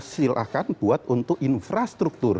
silahkan buat untuk infrastruktur